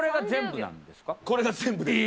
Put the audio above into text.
これが全部です。